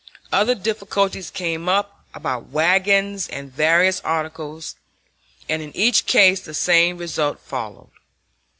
Other difficulties came up about wagons, and various articles, and in each case the same result followed.